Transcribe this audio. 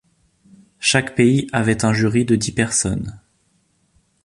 Chaque pays avait un jury de dix personnes.